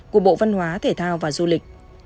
của bộ văn hóa thể thao và du lịch